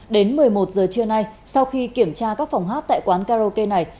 đến một mươi một giờ trưa nay sau khi kiểm tra các phòng hát tại quán karaoke này